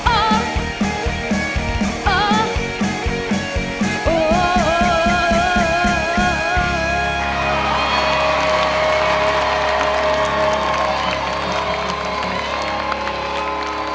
อ้าวโอ้วโอ้วโอ้ว